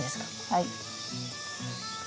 はい。